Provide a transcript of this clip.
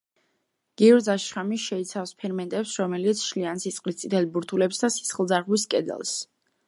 გიურზას შხამი შეიცავს ფერმენტებს, რომლებიც შლიან სისხლის წითელ ბურთულებს და სისხლძარღვის კედელს.